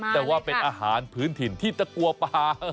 แต่ว่าเป็นอาหารพื้นถิ่นที่ตะกัวปลา